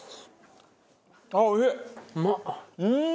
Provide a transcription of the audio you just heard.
うん！